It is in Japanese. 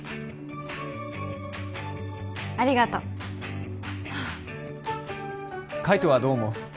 ありがとう海斗はどう思う？